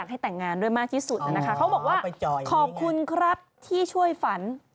เขาบอกว่าขอบคุณครับที่ช่วยฝัน